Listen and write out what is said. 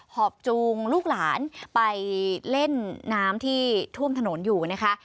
หอบจูงลูกหลานไปเล่นน้ำที่ท่วมถนนอยู่นะคะ